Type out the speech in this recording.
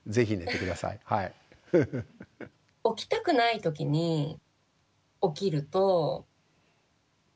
起きたくない時に起きると何だろう